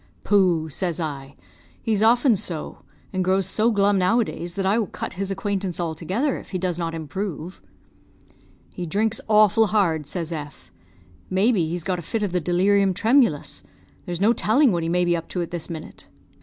"'Pooh!' says I; 'he's often so, and grows so glum nowadays that I will cut his acquaintance altogether if he does not improve.' "'He drinks awful hard,' says F ; 'may be he's got a fit of the delirium tremulous. There is no telling what he may be up to at this minute.'